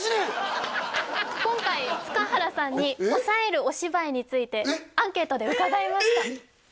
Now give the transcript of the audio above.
今回塚原さんに抑えるお芝居についてアンケートで伺いましたえっ！？